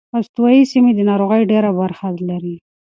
استوايي سیمې د ناروغۍ ډېره برخه لري.